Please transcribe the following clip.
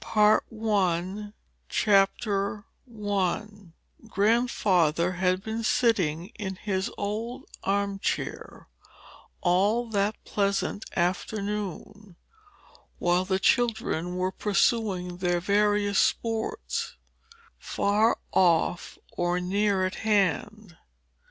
PART I Chapter I Grandfather had been sitting in his old arm chair, all that pleasant afternoon, while the children were pursuing their various sports, far off or near at hand.